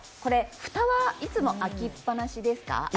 蓋はいつも開きっぱなしですか？